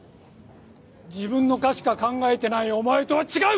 自分の科しか考えてないお前とは違う！